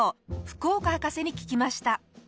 福岡博士に聞きました。